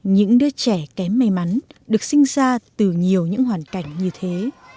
những đứa trẻ kém may mắn được sinh ra từ nhiều những hoàn cảnh như thế